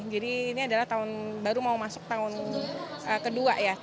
jadi ini adalah tahun baru mau masuk tahun kedua ya